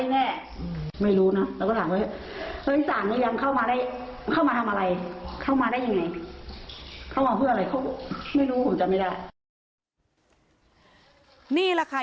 นี่แหละค่ะ